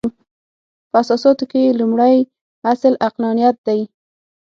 په اساساتو کې یې لومړۍ اصل عقلانیت دی.